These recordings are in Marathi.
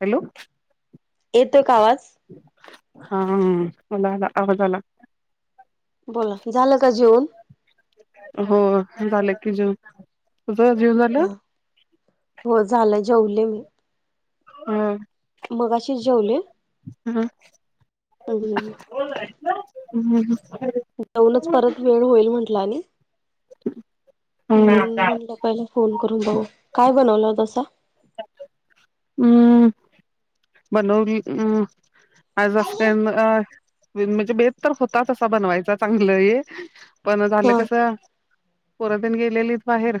हॅलो. येतोय का आवाज? हा मला आला आवाज आला. बोला, झालं का जेवून? हो झाले की जेवून. तुझ जेवून झा?. हा हो झालं जेवले मी. हम् हम्. मगाशीच जेवले. हं. जेवूनच परत वेळ होईल म्हंटल आणि म्हणून हम्म म्हटलं पहिला फोन करून बघू. काय बनवलं तसा? अं बनवली अ आज असं काय मग म्हणजे बेत तर होताच तसा बनवायचा चांगलं हे पण झालं हा कसं पोर तेनं गेलेलीत बाहेर.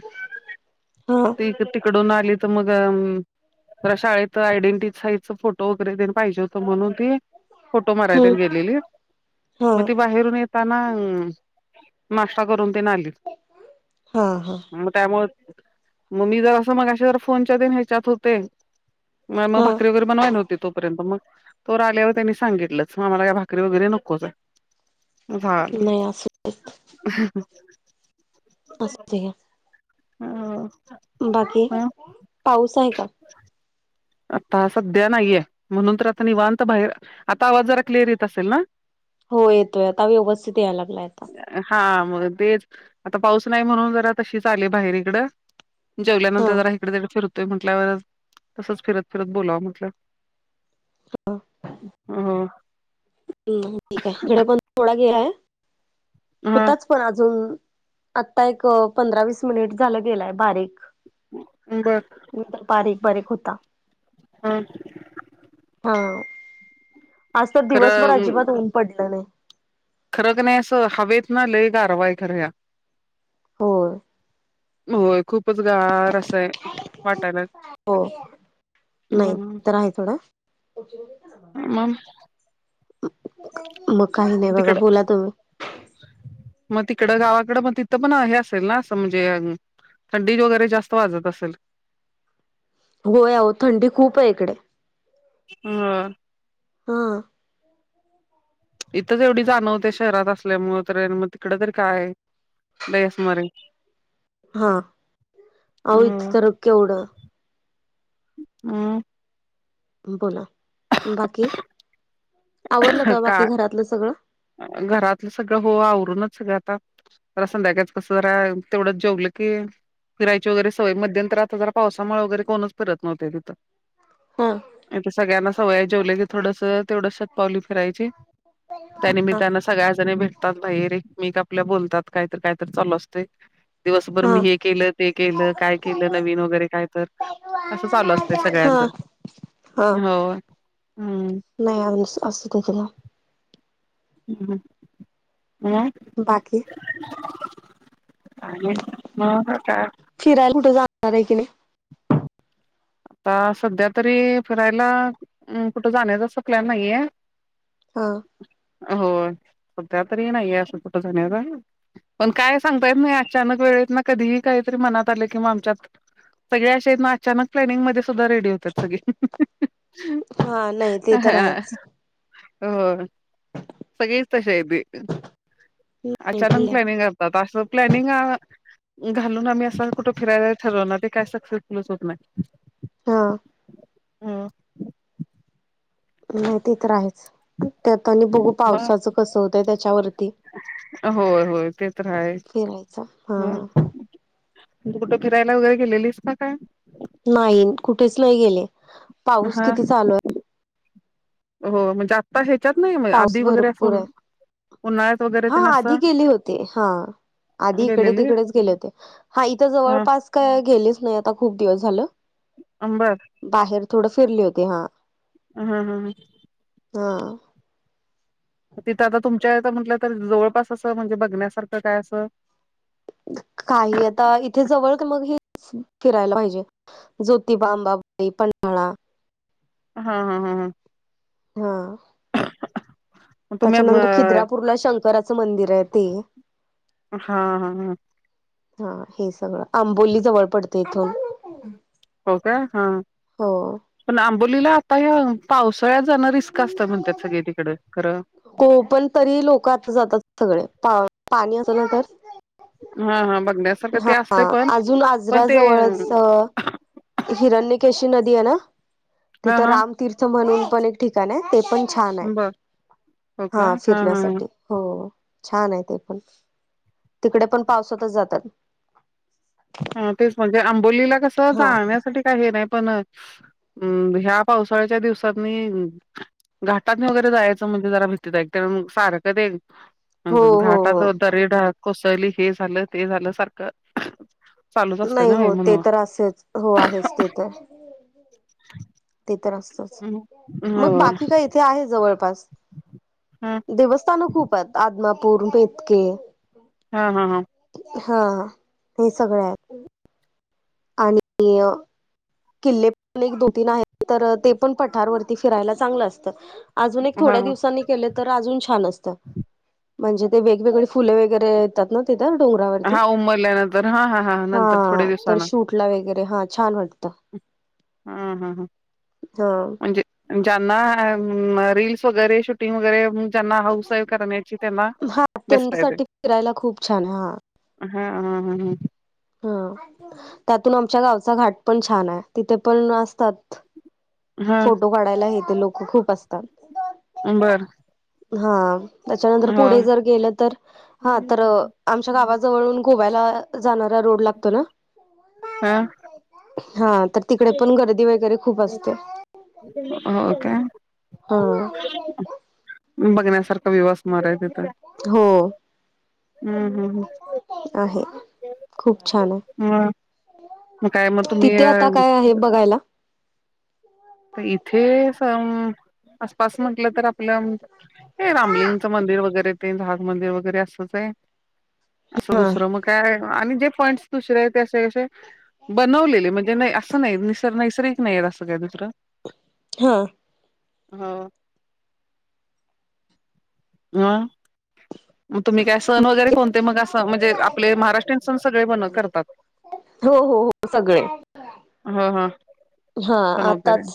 हा ती तिकडून आलीत मग जरा शाळेत आयडेंटि साईजच फोटो वगैरे तेन पाहिजे होतं म्हणून ती फोटो माराय तेन हम्म गेलेलीत, हा मग ती बाहेरून येत ताना नाश्ता करून तेन आलीत. हा हा. मग त्यामुळं मग मी जरांस मगाशी जरां फोनच्यात ह्याच्यात होते मग [unintelligible] हा भाकरी [unintelligible] बनवा नव्हती तोपर्यंत, मग तोवर आल्यावर त्यांनी सांगितलंच मला काय भाकरी वगैरे नकोच आहे. झालं. नाही असू देत [unintelligible] हो. बाकी, पाऊस आहे का? आता सध्या नाहीये. म्हणून तर आता निवांत बाहेर आता आवाज जरा क्लिअर येत असेल ना? हो येतोय. आता व्यवस्थित याय लागलाय आता. हा मग तेच आता पाऊस नाही म्हणून जरा तशीच आले बाहेर इकडं. हा जेवल्यानंतर जरा इकडे तिकडं फिरतोय म्हटल्यावर तसंच फिरत फिरत बोलावं म्हटलं. हो. हम्म ठीक आहे. [unintelligible] थोडा गेलाय हा होताच. पण अजून आता एक पंधरा वीस मिनिट झालं गेलाय बारीक. बर. बारीक बारीक होता. हम्म. हम्म. आज तर दिवसभर खरं अजिबात ऊन पडलं नाही. खरं की नाही असं हवेत ना लय गारवा आहे खर ह्या. हो. होय खूपच गार असं वाटायला हो नाही हम्म, तर आहे थोडं. मग मग काही नाही बघा, तिकड बोला तुम्ही. मग तिकडं गावाकडं मग तिथं पण हे असेल ना असं म्हणजे थंडी वगैरे जास्त वाजत असलं? होय अहो थंडी खूप आहे इकडे. मग हा. इथंच एवढी जाणवत्या शहरात असल्यामुळं तर आणि मग तिकडं तरी काय लई असणार आहे. हो इथं अ तर केवढं हम्म. बोला. बाकी, आवरलं का बाकी घरातलं सगळं? घरातलं सगळं हो आवरूनच सगळं आता जरा संध्याकाळच कसं जरा तेवढंच जेवलं की फिरायची वगैरे सवय मध्यंतर आता जरा पावसामुळे वगैरे कोणच फिरत नव्हत तीथं हा इथे सगळ्यांना सवय हाय जेवल की थोडस तेवढेसं पावली फिरायची हा त्यानिमित्ताने सगळ्याजणी भेटतात भाईर एकमेक आपल बोलतात कायतर कायतर चालू असतय दिवसभर हा मी हे केलं ते केलं काय केलं नवीन वगैरे काय तर असं चालू असतय हा सगळ्यांच हा हो हू नाही आमचं अस काहीच नाही हू बाकी आणि मग आता फिरायला कुठ जाणार हाय की नाही आता सध्या तरी फिरायला कुठं जाण्याच असं प्लॅन नाहीये हां हो सध्या तरी नाहीये असं कुठं जाण्याचा पण काय सांगता येत नाही अचानक वेळेत न कधीही काहीतरी मनात आल कि म आमच्यात सगळे अशे आहेत ना अचानक प्लॅनिंग मध्ये सुद्धा रेडी होतात सगळे हा नाही ते तर हा आहेच हो सगळीच तशी हायती नाही अचानक ठीक आहे प्लॅनिंग आता असं प्लॅनिंग आहं घालून आम्ही असं कुठं फिरायला ठरवणार ते काय सक्सेसफुलच होत नाय हो हो नाही ते तर आहेच त्यात आणि बघू मग पावसाचं कसं होतंय त्याच्यावरती हो फिरायच हा हा कुठ फिरायला वगैरे गेलेलीस का काय नाही कुठेच नाही गेले पाऊस हा किती चालू आहे हो म्हणजे आता ह्याच्यात नाही म पाऊस आधी वगैरे भरपूर फुल आहे हा आधी गेले होते हा आधी इकडे गेलेली तिकडेच गेले होते हा इथं हा जवळपास काय गेलेच नाही आता खूप दिवस झालं अं बर बाहेर थोडं फिरले होते हा हा हा हा तिथं आता तुमच्या इथं म्हटलं तर जवळपास असं म्हणजे बघण्यासारखं काय असं काही आता इथे जवळ क मग हे फिरायला पाहिजे ज्योतीबा अंबाबाई मळा हा हा हा हा हा तुम्ही त्याच्या नंतर हा खिद्रापूरला शंकराचं मंदिर आहे ते हा हा हा हे सगळं आंबोली जवळ पडते इथून हो का हा हो पण आंबोलीला आता ह्या पावसाळ्यात जाणं रिस्क असत म्हणत्यात सगळी तिकड खरं. हो पण तरी लोक आता जातात सगळे पा पाणी असल तर. हां हां बघण्यास हा अजून आजरा जवळच. हिरण्यकेशी नदी हेना ना हा तिथं हा रामतीर्थ म्हणून पण एक ठिकाण आहे ते पण छान आहे, बर हो का हा हा फिरण्यासाठी हो छान आहे ते पण तिकडे पण पावसातच जातात. हा तेच म्हणजे आंबोलीला कसं हा जाळण्यासाठी काय हे नाही पण. हम्म ह्या पावसाळ्याच्या दिवसात मी. घाटातन वगैरे जायचं म्हणजे जरा भीतीदायक सारखं ते. अ हो हो हो घाटात दरेड कोसळली हे झालं ते झालं सारखं. चालूच असतं नाही ना हो ते म्हणून तर असेच हो आहेच ते तर. ते तर असतच मग हो बाकी काय इथे आहे जवळपास. हा देवस्थान खूप आहेत आदमापूर मेथगे. हा हा हा हा हे मीच सगळं आहे. मिलय किल्ले पण एक दो तीन आहेत तर ते पण पठारवरती फिरायला चांगलं असतं. अजुन एक हा हा थोड्या दिवसांनी केले तर अजून छान असत म्हणजे ते वेगवेगळे फुले वगैरे. येतात ना डोंगरावरती हा उमरल्यानंतर हा हा हा नंतर थोडे हा दिवसानं शूट. ला वगैरे हा छान वाटतं. हम्म हम्म हा म्हणजे. जना रील्स वगैरे शूटिंग वगैरे. ज्यांना हाऊस करण्याची त्यांना हा बेस्ट आहे ते. त्यांच्यासाठी फिरायला खूप छान आहे हा हा हा हा. हा त्यातून आमच्या गावचा घाट पण छान आहे तिथे पण असतात. ह हा फोटो काढायला हेेत लोक खूप असतात. बरं हा. त्याच्यानंतर पुढे जर गेलं तर हा तर आमच्या गावाजवळून गोव्याला जाण. रोड लागतो ना हा हा तर तिकडे पण गर्दी वगैरे खूप असते. हो का? हा. बघण्यासारखा व्हिव असणार आहे तिथे. हो हम्म हम्म आहे खूप छान आहे हम्म मग मग काय मग तुम्ही तिथे आता काय आहे बघायला तर इथे आसपास म्हटलं तर आपलं हे रामलिंगचं मंदिर वगैरे ते झाज मंदिर वगैरे असंच आहे असं हा दुसरं मग काय आणि जे पॉइंट्स दुसरे ते असे कसे बनवलेले म्हणजे नाही असं नाही निसर् नैसर्गिक नाहीय असं काय दुसरं हा हो [unintelligible] मग तुम्ही काय सण वगैरे कोणते मग असं म्हणजे आपले महाराष्ट्रीयन सण सगळे सण बनव करतात? हो हो हो सगळे. हा हा. हा सण वगैरे आताच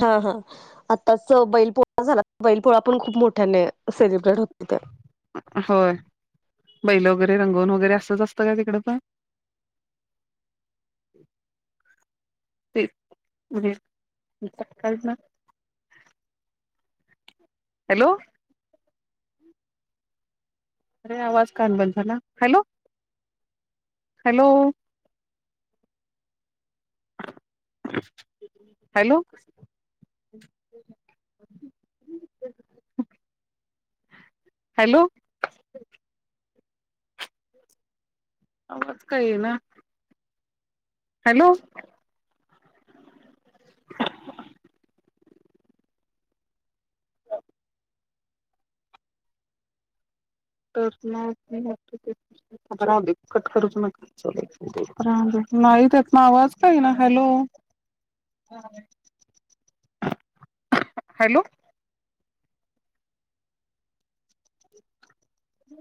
हा हा आत्ताच बैल पोळा झाला, बैल पोळा पण खूप मोठ्याने सेलिब्रेट होतो [unintelligible] होय. बैलं वगैरे रंगवून वगैरे असंच असतं काय तिकडं पण? म [inaudible] हॅलो. अरे आवाज काहून बंद झाला? Hello hello. हॅलो. हॅलो. आवाज का येईना. हॅलो. [unintelligible] [unintelligible] आता राहुदे कट करूनच नका चालेल. [unintelligible] नाही त्यातनं आवाज का येईना? Hello hello.